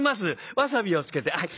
わさびをつけてはい。